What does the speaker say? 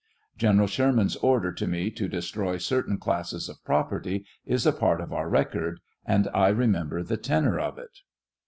General Sherman's order to me to destroy certain classes of property is a part of our record, and I remember the tenor of it.